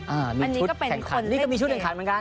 อันนี้ก็เป็นคนเล่นเกย์อันนี้ก็มีชุดแข่งขันเหมือนกัน